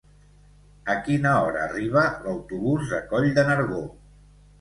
A quina hora arriba l'autobús de Coll de Nargó?